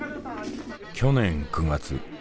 去年９月。